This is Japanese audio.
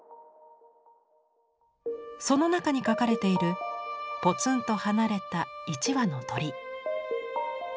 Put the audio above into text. その中に描かれているぽつんと離れた１羽の鳥。